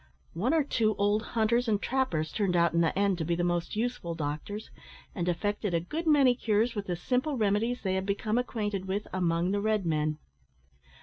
One or two old hunters and trappers turned out in the end to be the most useful doctors, and effected a good many cures with the simple remedies they had become acquainted with among the red men.